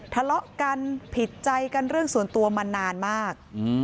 ทะเลาะกันผิดใจกันเรื่องส่วนตัวมานานมาก